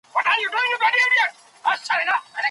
د هغه نوم ميتي و.